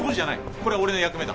これは俺の役目だ。